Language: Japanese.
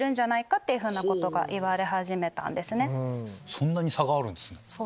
そんなに差があるんですね。